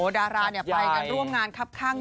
ดาราไปกันร่วมงานครับข้าง